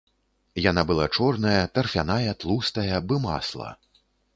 Яна была чорная, тарфяная, тлустая, бы масла.